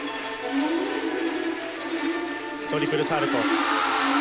トリプルサルコー。